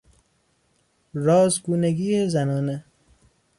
راز گونگی زنانه